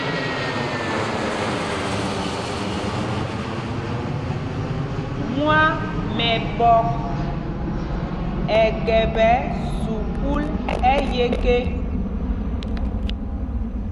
Mwamɛɓɔk ɛ kɛpɛ sukûl ɛyeke.